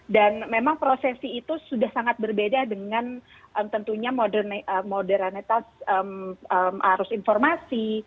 dan memang prosesi itu sudah sangat berbeda dengan tentunya modernitas arus informasi